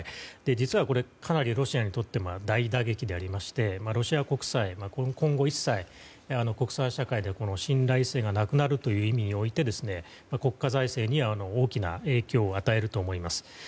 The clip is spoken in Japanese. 実は、かなりロシアにとっては大打撃でありましてロシア国債今後、一切国際社会で信頼性がなくなるという意味において国家財政に大きな影響を与えると思います。